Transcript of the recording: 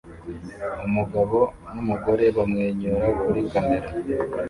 Umugabo numugore bamwenyura kuri kamera